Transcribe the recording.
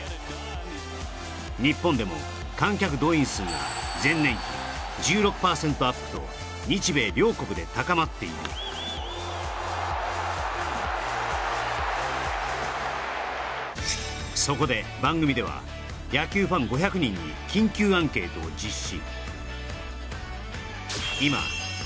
日本でも観客動員数が前年比１６％アップと日米両国で高まっているそこで番組では野球ファンを実施